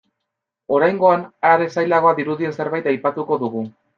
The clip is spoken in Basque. Oraingoan, are zailagoa dirudien zerbait aipatuko dugu.